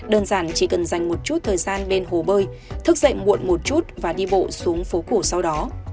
đơn giản chỉ cần dành một chút thời gian bên hồ bơi thức dậy muộn một chút và đi bộ xuống phố cổ sau đó